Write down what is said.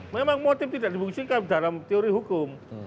memang motif tidak dibuktikan dalam teori hukum